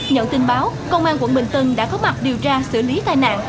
nhận tin báo công an quận bình tân đã có mặt điều tra xử lý tai nạn